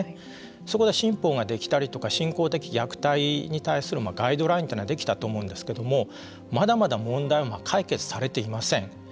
そこで新法ができたりとか信仰的虐待に対するガイドラインはできたと思うんですけれどもまだまだ問題は解決されていません。